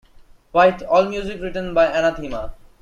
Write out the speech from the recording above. White, all music written by Anathema.